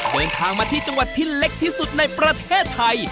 เดินทางมาที่จังหวัดที่เล็กที่สุดในประเทศไทย